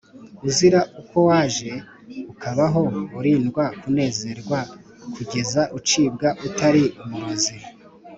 uzira uko waje ukabaho urindwa kunezerwa kugeza ucibwa utari umurozi